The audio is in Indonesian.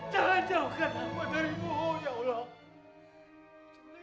jangan jauhkan aku darimu ya allah